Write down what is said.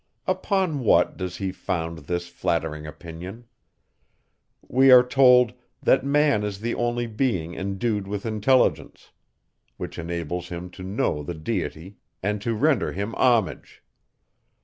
Upon what does he found this flattering opinion? We are told: that man is the only being endued with intelligence, which enables him to know the Deity, and to render him homage.